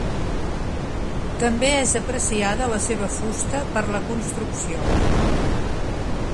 També és apreciada la seva fusta per la construcció.